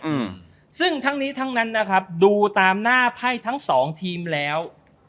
อืมซึ่งทั้งนี้ทั้งนั้นนะครับดูตามหน้าไพ่ทั้งสองทีมแล้ว